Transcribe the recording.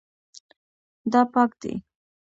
دا پاک دی